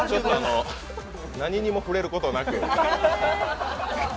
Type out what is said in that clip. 何にも触れることなく。